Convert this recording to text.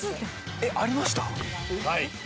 えっありました？